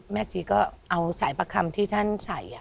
ชีก็เอาสายประคำที่ท่านใส่